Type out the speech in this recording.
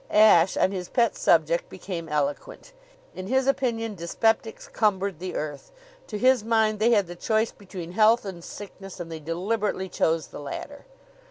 Ashe, on his pet subject, became eloquent. In his opinion dyspeptics cumbered the earth. To his mind they had the choice between health and sickness, and they deliberately chose the latter.